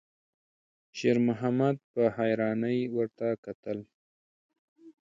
شېرمحمد په حيرانۍ ورته کتل.